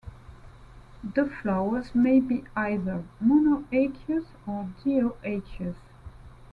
The flowers may be either monoecious or dioecious.